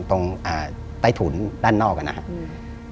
ใต้ถุนด้านนอกอะนะครับ